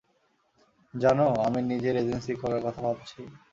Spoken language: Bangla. জানো, আমি নিজের এজেন্সি খোলার কথা ভাবছি।